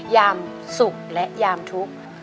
ยามสุขและยามทุกข์